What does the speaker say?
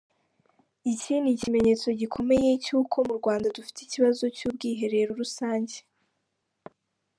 Iki ni ikimenyetso gikomeye cy’uko mu Rwanda dufite ikibazo cy’ubwiherero rusange